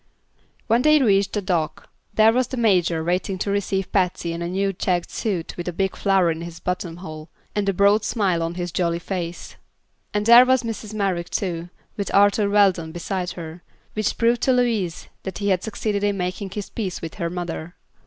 When they reached the dock there was the Major waiting to receive Patsy in a new checked suit with a big flower in his button hole and a broad smile on his jolly face. And there was Mrs. Merrick, too, with Arthur Weldon beside her, which proved to Louise that he had succeeded in making his peace with her mother.